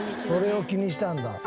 それを気にしたんだ。